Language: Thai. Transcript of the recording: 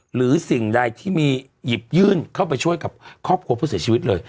หรือสิ่งใดที่มีหยิบยื่นเข้าไปช่วยกับครอบครัวผู้เสียชีวิตเลย